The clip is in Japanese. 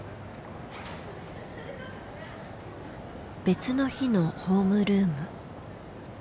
別の日のホームルーム。